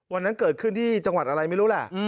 วันนั้นเกิดขึ้นที่จังหวัดอะไรไม่รู้แหละ